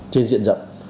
trên diện rộng